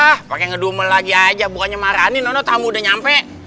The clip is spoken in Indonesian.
hah pake ngedumel lagi aja bukannya marahin ono tamu udah nyampe